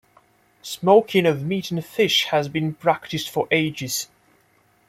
Smoking of meat and fish has been practiced for ages.